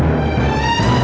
potong yang ini saja